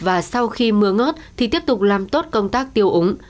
và sau khi mưa ngớt thì tiếp tục làm tốt công tác tiêu úng